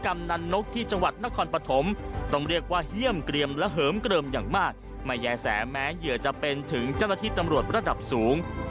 ไม่แย่แสแม้เหยื่อจะเป็นถึงเจ้าหน้าที่ตำรวจระดับสูง